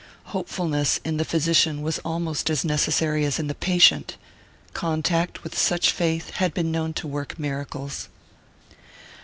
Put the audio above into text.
Hopefulness in the physician was almost as necessary as in the patient contact with such faith had been known to work miracles.